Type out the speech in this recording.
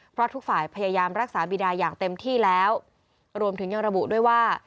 เพราะทุกฝ่ายพยายามรักษาบีดาอย่างเต็มที่แล้วรวมถึงยังระบุด้วยว่า